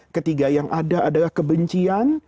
ketiga yang ada adalah kebencian